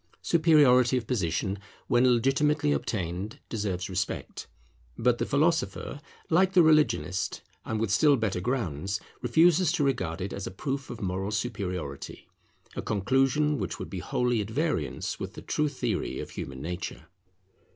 Superiority of position, when legitimately obtained, deserves respect; but the philosopher, like the religionist, and with still better grounds, refuses to regard it as a proof of moral superiority, a conclusion which would be wholly at variance with the true theory of human nature.